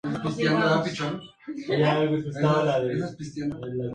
Se alimenta de gusanos, arañas, insectos, babosas y caracoles.